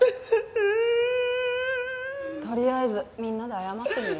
とりあえずみんなで謝ってみる？